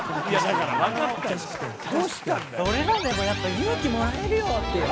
俺らでもやっぱ勇気もらえるよっていう。